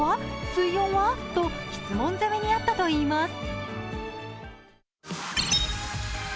水温は？と質問攻めに遭ったといいます。